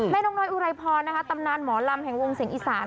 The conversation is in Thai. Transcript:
นกน้อยอุไรพรนะคะตำนานหมอลำแห่งวงเสียงอีสาน